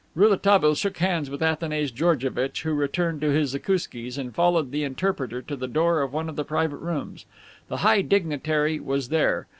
Rouletabille shook hands with Athanase Georgevitch, who returned to his zakouskis, and followed the interpreter to the door of one of the private rooms. The high dignitary was there.